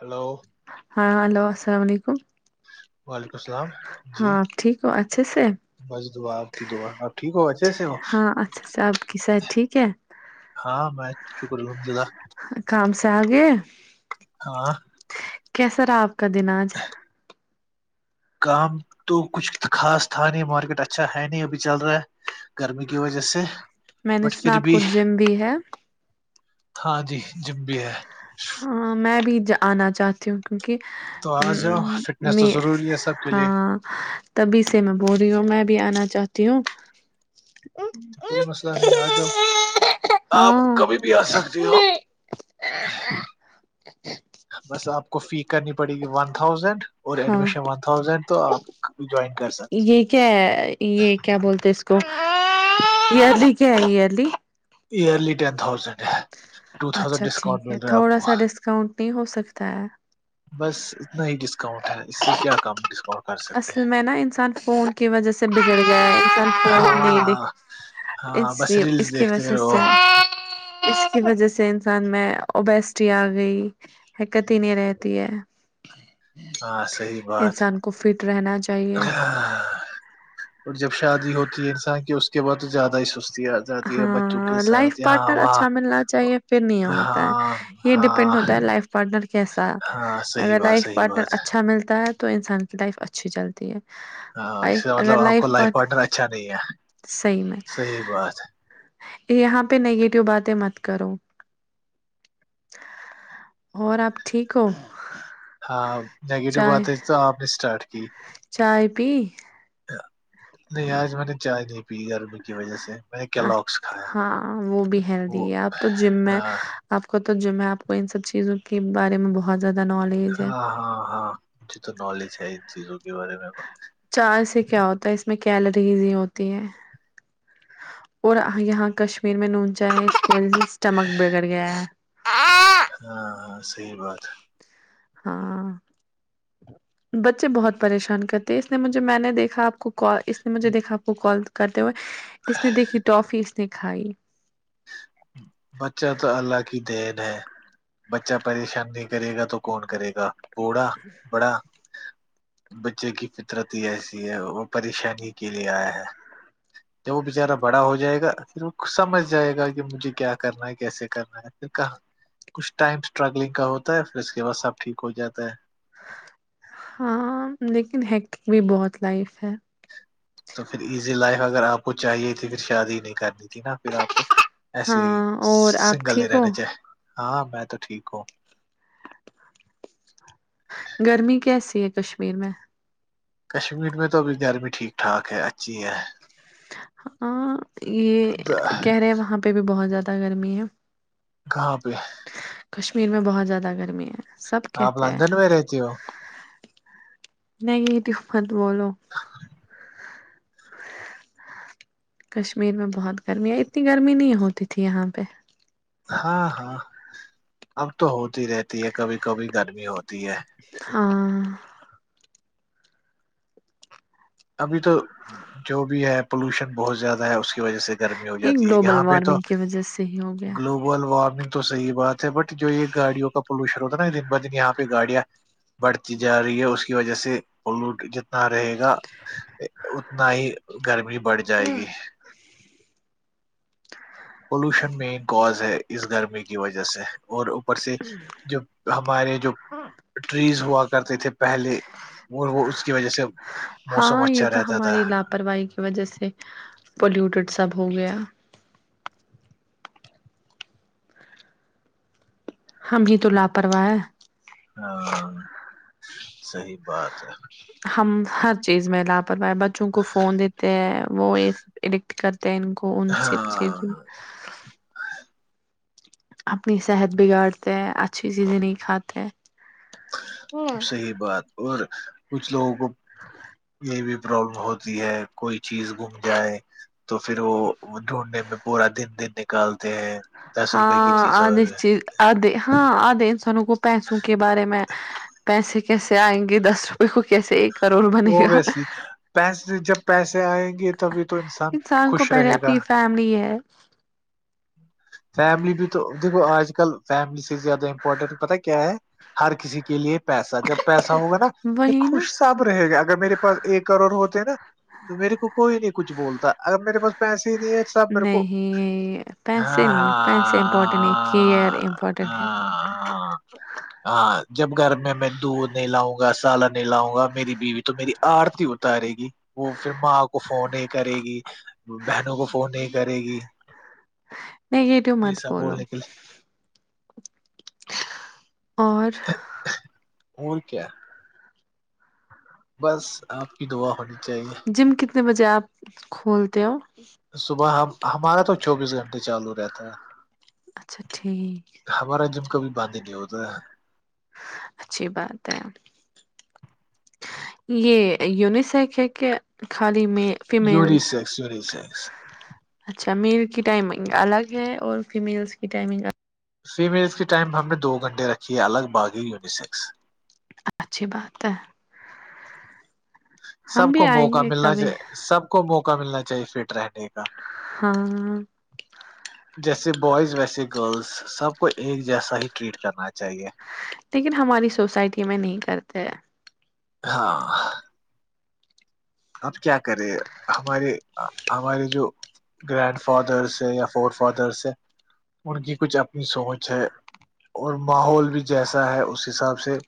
hello ہاں hello السلام علیکم وعلیکم السلام جی ہاں ٹھیک ہو اچھے سے بس دعا آپ کی دعا آپ ٹھیک ہو اچھے سے ہو ہاں اچھا سے آپ کی صحت ٹھیک ہے ہاں بس شکر الحمد للہ کام سے آگئے ہاں کیسا رہا آپ کا دن آج کام تو کچھ خاص تھا نہیں مارکیٹ اچھا ہے نہیں ابھی چل رہا ہے گرمی کی وجہ سے میں نے بٹ سنا پھر آپ کو بھی جم بھی ہے ہاں جی جم بھی ہے ہاں میں بھی آنا چاہتی ہوں کیونکہ تو آ جاؤ فٹنس تو میں ضروری ہے سب کے لیے ہاں تبھی سے میں بول رہی ہوں میں بھی آنا چاہتی ہوں تو کوئی مسئلہ نہیں آجاؤ آپ ہاں کبھی بھی آ سکتے ہو بس آپ کو فی کرنی پڑے گی ون تھاؤزینڈ اور ہاں ایڈمیشن ون تھازینڈ تو آپ جوائن کر سکتی ہو یہ کیا ہے یہ کیا بولتے ہیں [inaudible] ل کےلی ایئرلی ٹین تھاؤزنڈ ہے ٹو تھاؤزینڈ اچھا ٹھیک ڈسکاؤنٹ ہے مل رہا آپ تھوڑا کو سا ڈسکاؤنٹ نہیں ہو سکتا ہے بس اتنا ہی ڈسکاؤنٹ ہے اس سے کیا کام ڈسکاؤنٹ کر سکتے اصل میں نا انسان فون کی وجہ سے بگڑ گیا ہے انسان ہیں فون نہیں دے ہاں ہاں اس بس کی اس ریلز کی دیکھتے وجہ سے رہو اس کی وجہ سے انسان میں اوبسٹی آ گئی حرکت ہی نہیں رہتی ہے ہاں صحیح بات انسان کو فٹ رہنا چاہیے اور جب شادی ہوتی ہے انسان کی اس کے بعد تو زیادہ ہی سستی آج ہاں لائف پارٹنر اچھا ملنا چاہیے پھر نہیں ہوتا ہاں ہے یہ ڈیپینڈ ہاں ہوتا ہے لائف پارٹنر کیسا ہاں صحیح اگر بات لائف صحیح پارٹنر بات اچھا ملتا ہے تو انسان کی لائف اچھی چلتی ہاں ہے اس کا مطلب اگر آپ کو لائف پار پارٹنر صحیح میں صحیح وات ہے یہاں پہ نگیٹو باتیں مت کرو اور آپ ٹھیک ہو ہاں نیگیٹو چائے باتیں تو آپ نے اسٹارٹ کی چائے پی نہیں آج میں نے چائے نہیں پی کی وجہ سے میں نے ا کیلاکس کھایا ہاں وہ بھی ہیلدی وہ ہے اب تو جم میں ہاں آپ کو تو جم میں آپ کو ان سب چیزوں کے بارے میں بہت زیادہ نالج ہے ہاں ہاں ہاں مجھے تو نالج ہے ان چیزوں کے بارے میں چائے سے کیا ہوتا ہے اس میں کیلریز ہی ہوتی ہے اور یہاں کشمیر میں نون چائے اسل اسٹمک بگڑ گیا ہے ہاں ہاں صحی بات ہاں بچے بہت پریشان کرتے اس نے مجھے میں نے دیکھا آپ کو اس نے مجھے دیکھا آپ کو کال کرتے ہوئے اس نے دیکھی ٹافی اس نے کھائی بچہ تو اللہ کی دین ہے بچہ پریشان نہیں کرے گا تو کون کرے گا بوڑا بڑا بچے کی فطرت ہی ایسی ہے وہ پریشانی کے لیے آئے ہیں تو وہ بچارا بڑا ہو جائے گا پھر وہ سمج جائے گا کہ مجھے کیا کرنا ہے کیسے کرنا ہے کہاں کچھ ٹائم اسٹرگلنگ کا ہوتا ہے پھر اس کے بعد سب ٹھیک ہو جاتا ہے ہاں لیکن ہٹ بھی بہت لائف ہے تو پھر ایزی لائف اگر آپ کو چاہیے تھی پھر شادی نہیں کرنی تھی نا پھر آپ کو ہاں ایسے ہی اور آپ سنگل نہیں ٹھیک ہو رہنے چاہ ہاں میں تو ٹھیک ہوں گرمی کیسی ہے کشمیر میں کشمیر میں تو ابھی گرمی ٹھیک ٹھاک ہے اچھی ہے ہاں یہ کہہ رہے وہاں پہ بھی بہت زیادہ گرمی ہے کہاں پہ کشمیر میں بہت زیادہ گرمی ہے سب آپ کہتے ہیں لندن میں رہتی ہو نگیٹیو مت بولو کشمیر میں بہت گرمییا ہے اتنی گرمی نہیں ہوتی تھی یہاں پہ ہاں ہاں اب تو ہوتی رہتی ہے کبھی کبھی گرمی ہوتی ہے ہاں ابھی تو جو بھی ہے پولوشن بہت زیادہ ہے اس کے وجہ سے گرمی ہو یہ جاتی ہے گلوبل یہاں پہ تو وارمنگ کی وجہ سے ہی ہو گلوب بل وارمنگ تو صحیح بات ہے بٹ جو یہ گاڑی کا پولوشن ہوتا نا دن ب دن یہاں پہ گاڑیاں بڑھتی جا رہی ہے اس کی وجہ سے پلوٹ جتنا رہے گا اتنا ہی گرمی بڑھ جائے گیا گی پولوشن مین کوز ہے اس گرمی کی وجہ سے اور اوپر سے جب ہمارے جو ٹریز ہوا کرتے تھے پہلے اور وہ اس کی وجہ سے موسم ہاں یہ اچھا تو رہتا تھا ہماری لاپرواہی کی وجہ سے پلیوٹیڈ سب ہو گیا ہم ہی تو لاپرواہ ہے ہاں صحیح بات ہے ہم ہر چیز میں لاپرواہ ہے بچوں کو فون دیتے ہیں وہ یہ ایڈکٹ کرتے ہیں ان کو ان سے سب چیزوں ہاں اپنی صحت بگاڑتے ہیں اچھی چیزیں نہیں کھاتے صحیح بات اور کچھ لوگوں کو یہ بھی پرابلم ہوتی ہے کوئی چیز گھم جائے تو پھر وہ ڈھونڈنے میں پورا دن دن نکالتے ہیں دس روپے کی ہاں چیز آدھے چیز آدھے ہاں آدھے انسانوں کو پیسوں کے بارے میں پیسے کیسے آئیں گے دس روپئے کو کیسے ایک کروڑ بنے گا اوبوسلی پسے جب پیسے آئیں گے تبھی تو انسان خوش رہے گا لی ہے فیملی بھی تو دیکھو آج کل فیملی سے زیادہ امپورٹنٹ پتا ہے کیا ہے ہر کسی کے لیے پیسہ جب پیسا ہوگا نا یہ وہی نا خوش سب رہے گا اگر میرے پاس ایک کروڑ ہوتے نا تو میرے کو کوئی نہیں کچھ بولتا اگر میرے پاس پیسے ہی نہیں ہے سب میرے کو نہیں پیسے نہیں پیسے امپورٹنٹ نہیں کیئر امپورٹنٹ ہیں ہاں جب گھر میں میں دودھ نہیں لاؤں گا سالن نہیں لاؤں گا میری بیوی تو میری آرتی اتارے گی وہ پھر ماں کو فون نہیں کرے گی بہنوں کو فون نہیں کرے گی نگیٹیو مت بولو اور اور کیا بس آپ کی دعا ہونے جم کتنے بجے آپ کھولتے ہو صبح ہم ہمارا تو چوبیس گھنٹے چالو رہتا ہے اچھا ٹھیک ہمارا جم کبھی باند ہی نہیں ہوتا ہے اچھی بات ہے یہ انیسکس ہے کیا خالی میل فیمل اچھا میل کی ٹائمنگ الگ ہے اور فیمیلس کی ٹائمنگ فیمیلس کے ٹائم ہم نے دو گھنٹے رکھی ہے الگ باغی یونیسیکس اچھی بات ہے سب ہم بھی کو آئیں موقع گے ملنا کبھی چاہے سب کو موقع ملنا چاہیے فٹ رہنے کا ہاں [unintelligible] جیسے بوائز ویسے گرلز سب کو ایک جیسا ہی ٹریٹ کرنا چاہیے لیکن ہماری سوسائٹی میں نہیں کرتے ہیں ہاں آب کیا کرے ہمارے ہمارے جو گرینڈ فادرس ہے یا فور فادرس ہے ان کی کچھ اپنی سوچ ہے اور ماحول بھی جیسا ہے اس حساب سے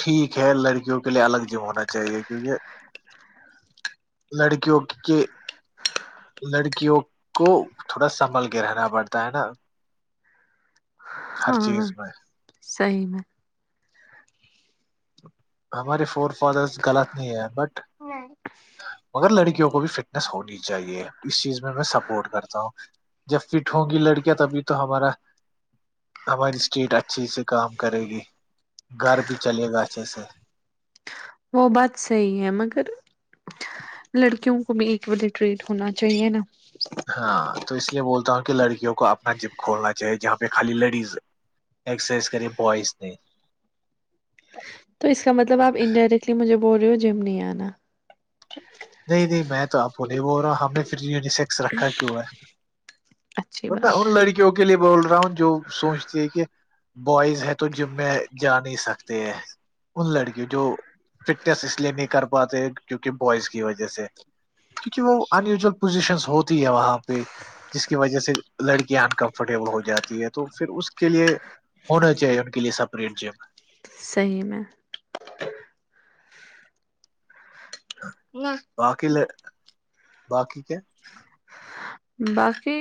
ٹھیک ہے لڑکیوں کے لیے الگ جیم ہونا چاہیے کیونکہ لڑکیوں کے لڑکیوں کو تھوڑا سنبھل کے رہنا پڑتا ہے نا ہر چیز ہاں میں صحیح میں ہماری فور فادرس غلط نہیں ہے بٹ مگر لڑکیوں کو بھی فٹنیس ہونی چاہیے اس چیز میں میں سپورٹ کرتا ہوں جب فٹ ہوں گی لڑکیاں تبھی تو ہمارا ہماری اسٹیٹ اچھے سے کام کرے گی گھر بھی چلے گا اچھے سے وہ بات صحیح ہے مگر لڑکیوں کو بھی اقوال ہی ٹریٹ ہونا چاہیے نا ہاں تو اس لیے بولتا ہوں کہ لڑکیوں کو اپنا جم کھولنا چاہیے جہاں پہ خالی لڈیز ایکسرسائز کریے بوائز نے تو اس کا مطلب آپ انڈائریکٹلی مجھے بول رہے ہو جم نہیں آنا نہیں نہیں میں تو آپ کو نہیں بول رہا ہوں ہم نے پھر یسیک رکھا کیوں ہے اچھی باندہ بات اور ہے لڑکی کیو کے لیے بول رہا ہوں جو سوچتی ہے کہ بوائز ہے تو جم میں جا نہیں سکتے ہے ان لڑکیوں جو فٹنس اس لیے نہیں کر پاتے کیونکہ بوائز کی وجہ سے کیونکہ وہ ان یوزل پوزیشن ہوتی ہے وہاں پہ جس کی وجہ سے لڑکیاں انکمفرٹیبل ہو جاتی ہے تو پھر اس کے لیے ہونا چاہیے ان کے لیے سپریٹ جم صحیح میں ہے ہاں نہ باقی ل باقی کیا باقی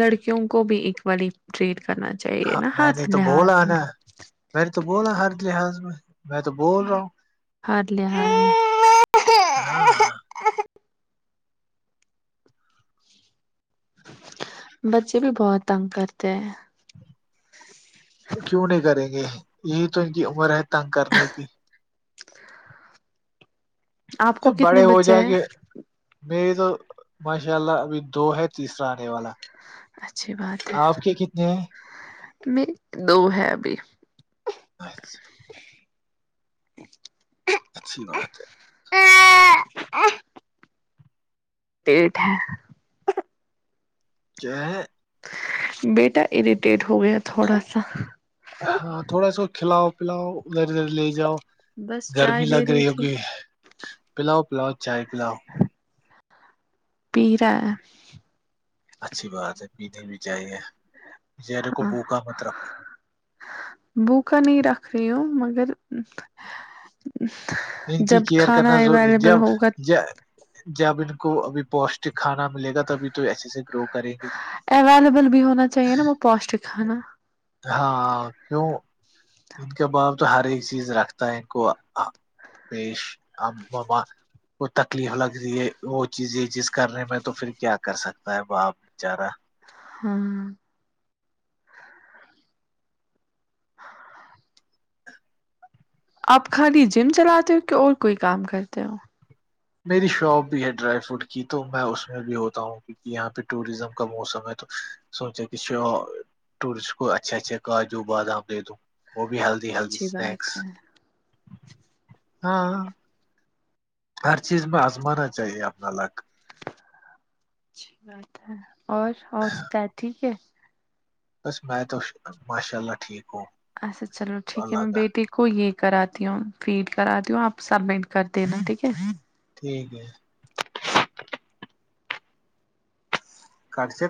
لڑکیوں کو بھی اک والی ٹریٹ کرنا چاہیے ہاں نا میں نے ہاتھ تو لحاظ بولا نا میں نے تو بولا ہر لحاظ میں میں تو بول رہا ہوں ہر لحاظ میں ہاں ہاں بچے بھی بہت تنگ کرتے ہیں کیوں نہیں کریں گے یہی تو ان کی عمر ہے تنگ کرنے کی آپ کو جب کتنے بڑے ہو بچے جائیں ہیں گے میری تو ماشاء اللہ ابھی دو ہے تیسرا آنے والا آپ کے کتنے ہیں میرے دو ہے ابھی اچھا اچھی بات ہیں ڈیٹ ہے [unintelligible] بیٹا اریٹیٹ ہو گیا تھوڑا سا ہاں تھوڑا سا کھلاؤ پلاؤ اودھر ادھر لے جاؤ بس چائے گرمی لگ دے رہی ہو تھی کہ پلاؤ پلاؤ چائے پلاؤ پی رہا ہے اچھی بات ہے پینے بھی چاہیے بیچارے کو ہاں بھوکا مت رکھو بھوکا نہیں رکھ رہی ہوں مگر ان کی جب کیئر کھانا کرنا ضروری اویلیبل جب ہوگا جب ان کو ابھی پوشٹک کھانا ملے گا تبھی تو ایسے ایسے گرو کریں گی اویلیبل بھی ہونا چاہیے نا وہ پوشٹک کھانا ہاں کیوں ان کا باپ تو ہر ایک چیز رکھتا ہے ان کو [unintelligible] وہ تکلیف لگ رہی ہے وہ چیز یہ چیز کرنے میں تو پھر کیا کر سکتا ہے باپ بیچارہ ہوں آپ خالی جم چلاتے ہو کہ اور کوئی کام کرتے ہو میری شوپ بھی ہے ڈرائی فروٹ کی تو میں اس میں بھی ہوتا ہوں کیونکہ یہاں پہ ٹوریزم کا موسم ہے تو سوچا کہ ٹورسٹ کو اچھے اچھے کاجو بادام دے دوں وہ بہی ہیلتی اچھی سنککس بات ہے ہر چیز میں آزمانا چاہیے اپنا لاک اچھی بات ہے اور اور سب ٹھیک ہے بس میں تو ماشاء اللہ ٹھیک ہوں اچھا چلو ٹھیک ہے اللہ میں کا بیٹی کو یہ کراتی ہوں فیڈ کراتی ہوں آپ سبمٹ کر دینا ٹھیک ہے ٹھیک ہے کٹ سے